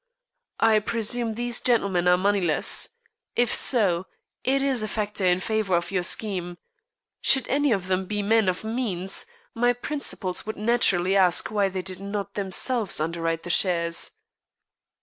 I presume these gentlemen are moneyless. If so, it is a factor in favor of your scheme. Should any of them be men of means, my principals would naturally ask why they did not themselves underwrite the shares."